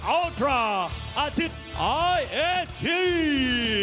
อัลทราอาทิตย์อายเอที